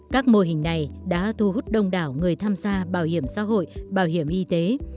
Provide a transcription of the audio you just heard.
các mô hình này đã thu hút đông đảo người tham gia bảo hiểm xã hội bảo hiểm y tế